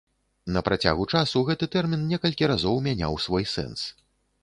На працягу часу гэты тэрмін некалькі разоў мяняў свой сэнс.